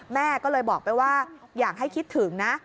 แม่ก็เลยบอกไปว่าอยากให้คิดถึงนะ